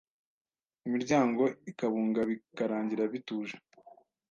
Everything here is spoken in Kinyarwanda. imiryango ikabunga bikarangira bituje